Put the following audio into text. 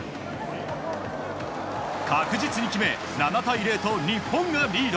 確実に決め、７対０と日本がリード。